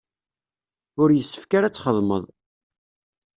Ur yessefk ara ad txedmeḍ.